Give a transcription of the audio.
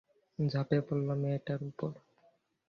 ঝাঁপিয়ে পড়ল, মেয়েটির উপর।